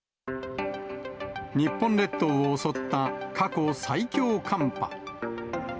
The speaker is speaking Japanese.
日本列島を襲った過去最強寒波。